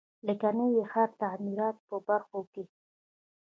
لکه د نوي ښار د تعمیراتو په برخو کې.